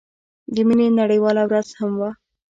د مينې نړيواله ورځ هم وه.